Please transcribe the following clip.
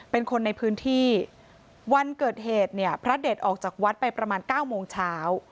เป็นคนในพื้นที่วันเกิดเหตุเนี่ยพระเด็ดออกจากวัดไปประมาณ๙โมงเช้า